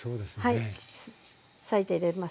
はい裂いて入れます。